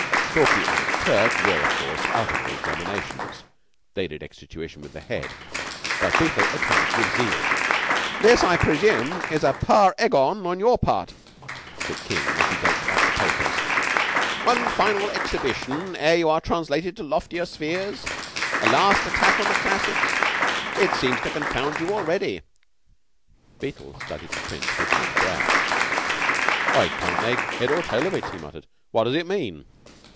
Stalky and McTurk were, of course, out of all examinations (they did extra tuition with the Head), but Beetle attended with zeal. "This, I presume, is a par ergon on your part," said King, as he dealt out the papers. "One final exhibition ere you are translated to loftier spheres? A last attack on the classics? It seems to confound you already." Beetle studied the print with knit brows. "I can't make head or tail of it," he murmured. "What does it mean?"